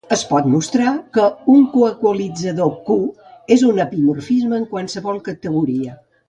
Es pot mostrar que un coequalitzador "q" és un epimorfisme en qualsevol categoria.